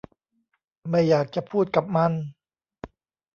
ไม่อยากจะพูดกับมัน